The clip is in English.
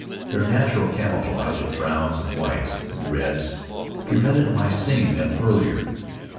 Their natural camouflage of browns and whites and reds prevented my seeing them earlier.